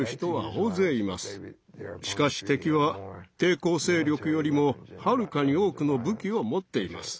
しかし敵は抵抗勢力よりもはるかに多くの武器を持っています。